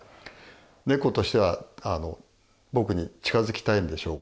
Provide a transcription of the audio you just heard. ネコとしては僕に近づきたいんでしょう。